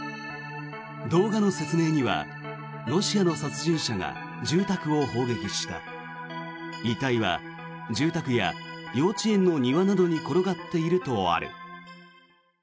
動画の説明にはロシアの殺人者が住宅を砲撃した遺体は住宅や幼稚園の庭などに転がっているとある。